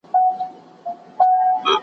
بيا به خپل کي دا دښتونه .